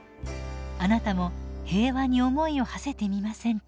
あなたも平和に思いをはせてみませんか？